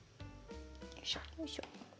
よいしょ。